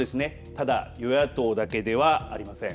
ただ与野党だけではありません。